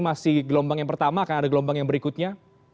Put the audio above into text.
masih gelombang yang pertama akan ada gelombang yang berikutnya